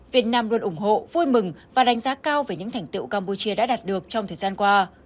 việt nam luôn ủng hộ vui mừng và đánh giá cao về những thành tiệu campuchia đã đạt được trong thời gian qua